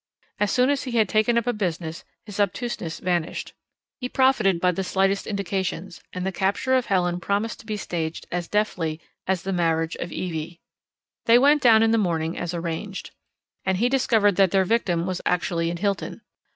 As soon as he had taken up a business, his obtuseness vanished. He profited by the slightest indications, and the capture of Helen promised to be staged as deftly as the marriage of Evie. They went down in the morning as arranged, and he discovered that their victim was actually in Hilton.